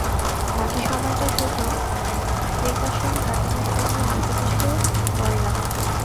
বাকি সময়টা শুধু ফ্রিকাশন কাটানোর জন্যে অল্প কিছু বল লাগত।